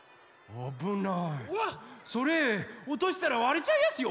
それおとしたらわれちゃいやすよ。